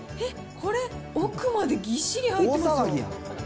これ、奥までぎっしり入ってますよ。